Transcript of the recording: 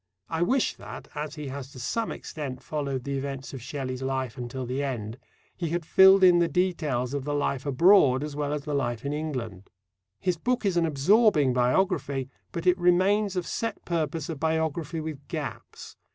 I wish that, as he has to some extent followed the events of Shelley's life until the end, he had filled in the details of the life abroad as well as the life in England. His book is an absorbing biography, but it remains of set purpose a biography with gaps.